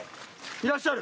いらっしゃる？